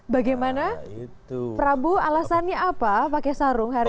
bagaimana prabu alasannya apa pakai sarung hari ini